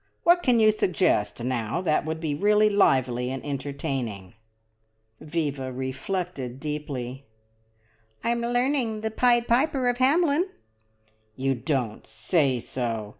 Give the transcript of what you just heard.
What can you suggest, now, that would be really lively and entertaining?" Viva reflected deeply. "I'm learning the `Pied Piper of Hamelin'!" "You don't say so!"